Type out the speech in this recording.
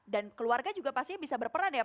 dan keluarga juga pasti bisa berperan ya pak hasto